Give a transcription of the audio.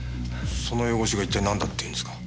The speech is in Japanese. そのヨゴシが一体何だっていうんですか？